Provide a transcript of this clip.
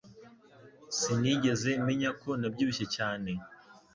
Sinigeze menya ko nabyibushye cyane